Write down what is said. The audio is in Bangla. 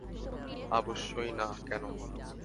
আবশ্যই না, কেনো?